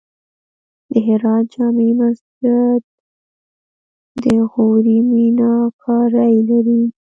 د هرات جمعې مسجد د غوري میناکاري لري